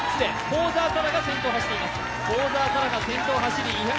幸澤沙良が先頭を走っています。